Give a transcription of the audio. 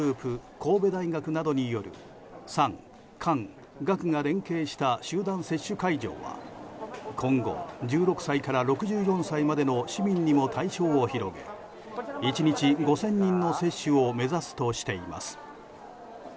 神戸大学などによる産官学が連携した集団接種会場は今後、１６歳から６４歳までの市民にも対象を広げ１日５０００人の接種を目指すとしています。